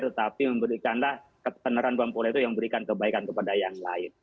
tetapi memberikanlah keteneran dan populer itu yang memberikan kebaikan kepada yang lain